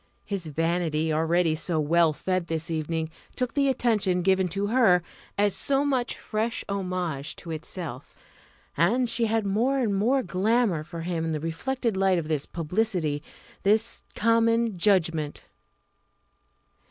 His vanity, already so well fed this evening, took the attention given to her as so much fresh homage to itself; and she had more and more glamour for him in the reflected light of this publicity, this common judgment.